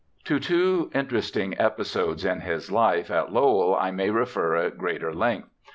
To two interesting episodes in his life at Lowell I may refer at greater length.